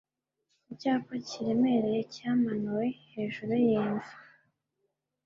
Icyapa kiremereye cyamanuwe hejuru y'imva